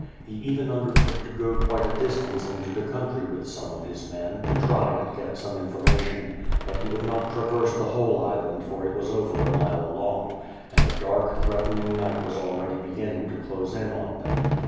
lie even undertook to go quite a distance into the country with some of his men, 122 WITH FIRE AND SWORD, to try and get Bome information; but he could not traverse the whole island for it was over a mile along; and a dark, threatening night was already beginning to close in on them.